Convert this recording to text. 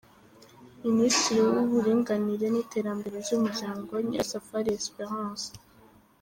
Ministiri w'uburinganire n'iterambere ry'umuryango, Nyirasafari Esperance.